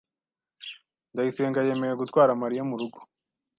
Ndayisenga yemeye gutwara Mariya murugo.